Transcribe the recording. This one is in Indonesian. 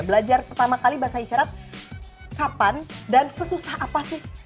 belajar pertama kali bahasa isyarat kapan dan sesusah apa sih